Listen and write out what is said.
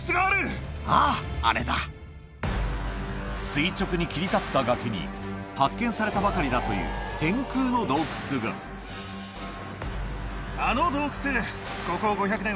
垂直に切り立った崖に発見されたばかりだという天空の洞窟があの洞窟。